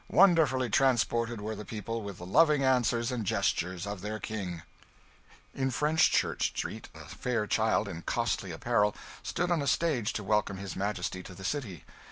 Wonderfully transported were the people with the loving answers and gestures of their King.' In Fenchurch Street a 'fair child, in costly apparel,' stood on a stage to welcome his Majesty to the city.